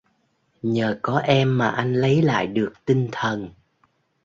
Nhờ có em mà anh lấy lại được tinh thần